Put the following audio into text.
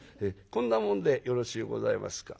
こんなもんでよろしゅうございますか？」。